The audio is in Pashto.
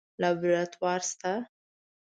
لابراتوار شته؟